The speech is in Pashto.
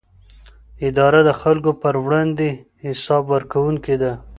اداره د خلکو پر وړاندې حساب ورکوونکې ده.